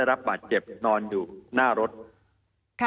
มีความรู้สึกว่ามีความรู้สึกว่า